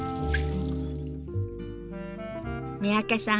三宅さん